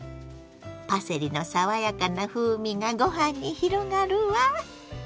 パセリの爽やかな風味がご飯に広がるわ。